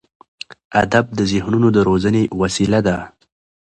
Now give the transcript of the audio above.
ادب د ذهنونو د روزنې وسیله ده.